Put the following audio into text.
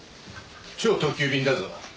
超特急便だぞ。